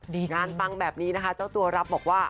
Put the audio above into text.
งานปังแบบนี้นะคะเจ้าตัวรับบอกว่า